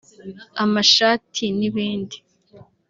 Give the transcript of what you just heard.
amashati nibindi